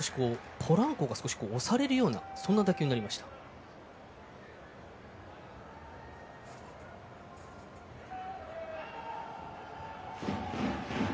今もポランコが押されるような打球になりました。